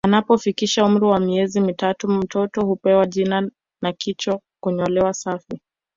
Anapofikisha umri wa miezi mitatu mtoto hupewa jina na kichwa hunyolewa safi